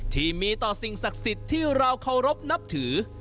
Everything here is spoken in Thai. ที่มีต่อสิ่งศักดิ์สิทธิ์ที่เราเคารพนับถือ